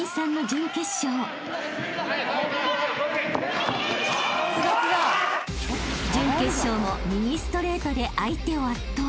［準決勝も右ストレートで相手を圧倒］